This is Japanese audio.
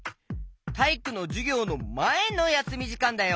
たいいくのじゅぎょうのまえのやすみじかんだよ！